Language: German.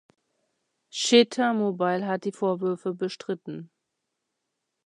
Cheetah Mobile hat die Vorwürfe bestritten.